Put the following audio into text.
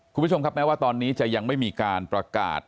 คุณผู้ชมครับแม้ว่าตอนนี้จะยังไม่มีการประกาศ